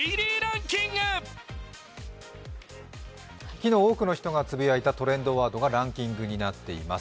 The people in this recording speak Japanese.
昨日多くの人がつぶやいたトレンドワードがランキングになっています。